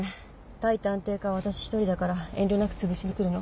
対探偵課は私一人だから遠慮なくつぶしにくるの。